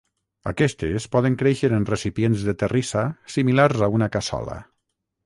Aquestes poden créixer en recipients de terrissa similars a una cassola.